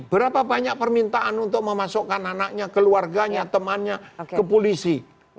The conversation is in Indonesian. berapa banyak permintaan untuk memasukkan anaknya keluarganya temannya ke polisi